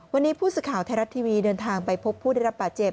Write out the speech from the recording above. วันนี้ผู้สื่อข่าวไทยรัฐทีวีเดินทางไปพบผู้ได้รับบาดเจ็บ